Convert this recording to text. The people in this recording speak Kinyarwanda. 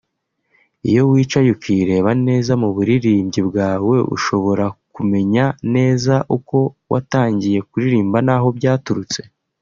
Iyo wicaye ukireba neza mu buririmbyi bwawe ushobora kumenya neza uko watangiye kuririmba naho byaturutse